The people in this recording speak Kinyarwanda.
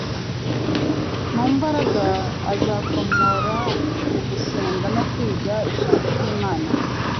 Mu mbaraga azakomora mu gusenga no kwiga ijambo ry’Imana,